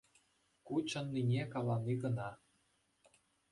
Ку чӑннине калани кӑна.